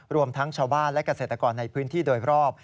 รวมทั้งชาวบ้านและเกษตรกรในพื้นที่โดยรอบ